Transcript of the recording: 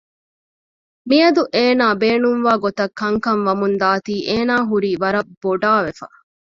މިއަދު އޭނާ ބޭނުންވާ ގޮތަށް ކަންކަން ވަމުންދާތީ އޭނާ ހުރީ ވަރަށް ބޮޑާވެފަ